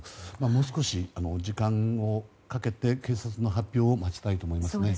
もう少し時間をかけて警察の発表を待ちたいと思いますね。